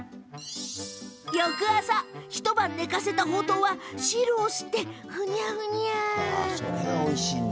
翌朝、一晩寝かせた、ほうとうは汁を吸ってふにゃふにゃ。